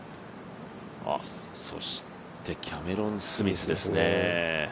そしてキャメロン・スミスですね。